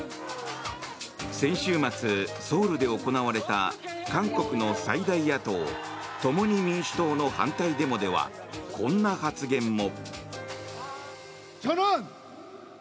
先週末、ソウルで行われた韓国の最大野党・共に民主党の反対デモでは、こんな発言も。